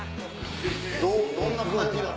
どんな感じなん？